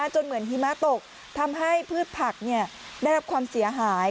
จนเหมือนหิมะตกทำให้พืชผักได้รับความเสียหาย